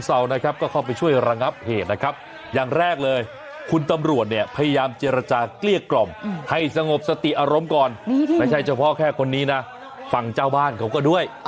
สติอารมณ์ก่อนไม่ใช่เฉพาะแค่คนนี้นะฝั่งเจ้าบ้านเขาก็ด้วย